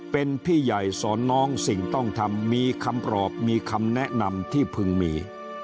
เป็นพี่ใหญ่สอนน้องสิ่งต้องทำมีคำปรอบมีคำแนะนำที่พึงมี